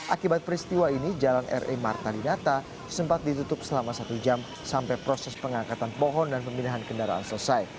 akibat peristiwa ini jalan re marta dinata sempat ditutup selama satu jam sampai proses pengangkatan pohon dan pemindahan kendaraan selesai